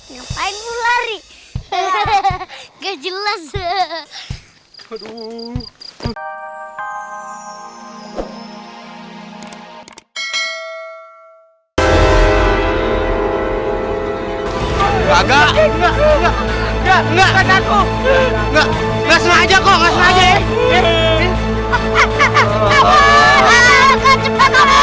ngapain lu lari hehehe gak jelas